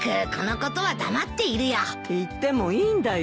言ってもいいんだよ。